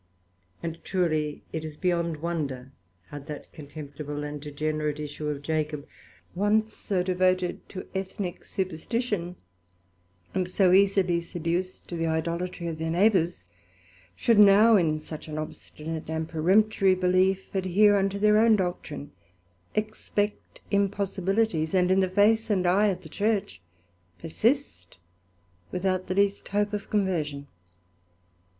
And truly it is beyond wonder, how that contemptible and degenerate issue of Jacob, once so devoted to Ethnick Superstition, and so easily seduced to the Idolatry of their Neighbours, should now in such an obstinate and peremptory belief adhere unto their own Doctrine, expect impossibilities, and, in the face and eye of the Church, persist without the least hope of Conversion.